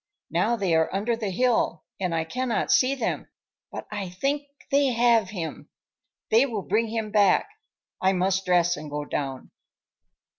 Now they are under the hill and I cannot see them, but I think they have him. They will bring him back. I must dress and go down."